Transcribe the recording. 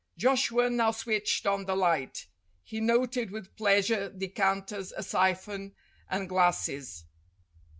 Joshua now switched on the light. He noted with pleasure decanters, a siphon, and glasses.